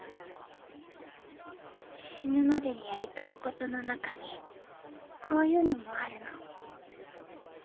死ぬまでにやりたいことの中にこういうのもあるの。